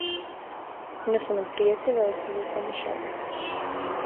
Оне су нам пријетиле, али су се само шалиле.